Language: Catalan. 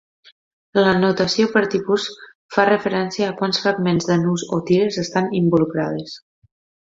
La notació per tipus fa referència a quants fragments de nus o tires estan involucrades.